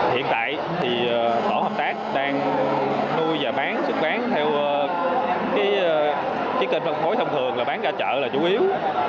hiện tại thì tổ hợp tác đang nuôi và bán xuất bán theo cái kênh phân phối thông thường là bán ra chợ là chủ yếu